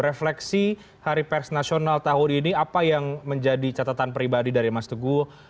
refleksi hari persnasional tahun ini apa yang menjadi catatan pribadi dari mas tugu